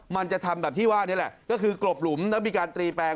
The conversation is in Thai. มันจะทำแบบที่ว่านี่แหละก็คือกลบหลุมแล้วมีการตรีแปลง